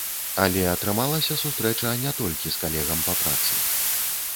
Але атрымалася сустрэча не толькі з калегам па працы.